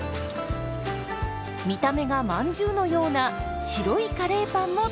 見た目がまんじゅうのような白いカレーパンも登場！